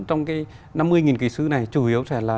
trong cái năm mươi kỹ sư này chủ yếu sẽ là